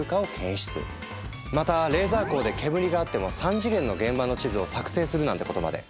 またレーザー光で煙があっても３次元の現場の地図を作成するなんてことまで。